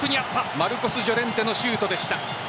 マルコスジョレンテのシュートでした。